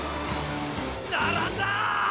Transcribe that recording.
並んだ！